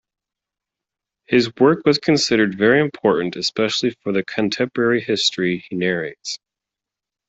His work was considered very important especially for the contemporary history he narrates.